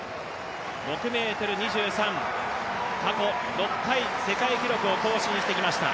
６ｍ２３、過去６回、世界記録を更新してきました。